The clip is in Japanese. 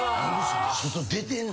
外出てんのよ。